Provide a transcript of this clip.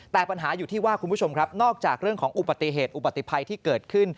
แต่ปัญหาอยู่ที่ว่าคุณผู้ชมครับนอกจากเรื่องของอุบัติเหตุอุบัติภัยที่เกิดขึ้น